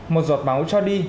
một giọt máu cho đi